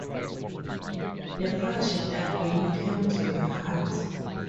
The project again came to a halt.